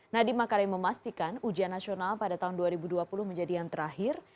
nadiem makarim memastikan ujian nasional pada tahun dua ribu dua puluh menjadi yang terakhir